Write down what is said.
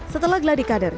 setelah geladi kader